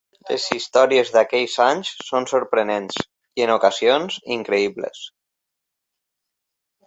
Les històries d"aquells anys són sorprenents i, en ocasions, increïbles.